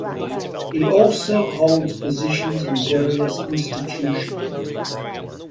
He also holds positions in various Institutions.